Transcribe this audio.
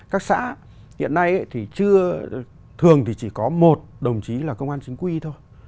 các xã hiện nay thì chưa thường thì chỉ có một đồng chí là công an chính quy thôi